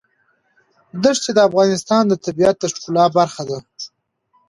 دښتې د افغانستان د طبیعت د ښکلا برخه ده.